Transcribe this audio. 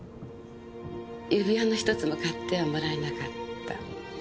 指輪の一つも買ってはもらえなかった。